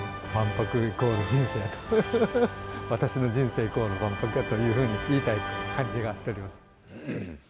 万博、イコール、人生やと私の人生イコール万博やというふうに感じがしております。